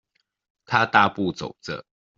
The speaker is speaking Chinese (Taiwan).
他大步走著